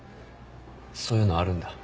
そういうのあるんだ。